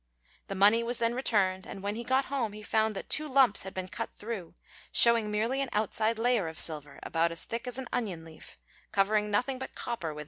The money was then returned, and when he got home he found that two lumps had been cut through, shewing merely an outside layer of silver, about as thick as an onion leaf, covering nothing but copper within.